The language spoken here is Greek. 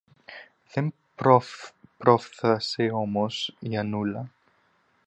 Δεν πρόφθασε όμως η Αννούλα